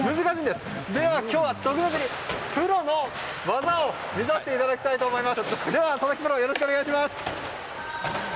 では今日は特別にプロの技を見させていただきたいと思います。